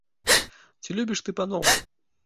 Ці любіш ты паноў?